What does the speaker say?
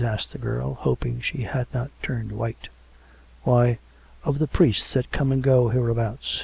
asked the girl, hoping she had not turned white. " Why, of the priests that come and go hereabouts